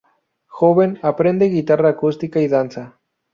Joven, aprende guitarra acústica y danza.